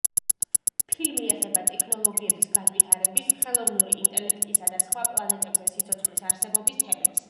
ფილმი ეხება ტექნოლოგიების განვითარების, ხელოვნური ინტელექტისა და სხვა პლანეტებზე სიცოცხლის არსებობის თემებს.